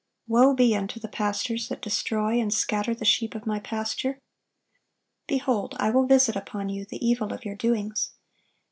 (1133) "Woe be unto the pastors that destroy and scatter the sheep of My pasture!... Behold, I will visit upon you the evil of your doings."